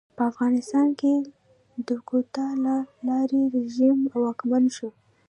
په افغانستان کې د کودتا له لارې رژیم واکمن شو.